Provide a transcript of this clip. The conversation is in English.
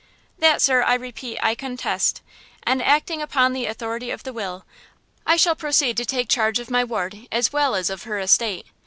"That, sir, I repeat, I contest. And, acting upon the authority of the will, I shall proceed to take charge of my ward as well as of her estate.